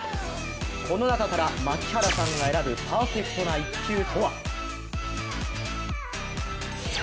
この中から槙原さんが選ぶパーフェクトな一球とは？